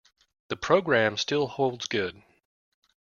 The programme still holds good.